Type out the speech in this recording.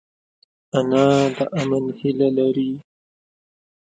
انا د امن هیله لري